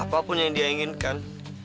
apapun yang dia inginkan